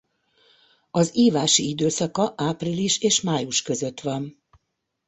Az ívási időszaka április és május között van.